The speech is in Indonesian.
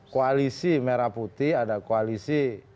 koalisi merah putih ada koalisi